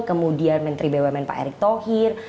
kemudian menteri bw men pak erick thohir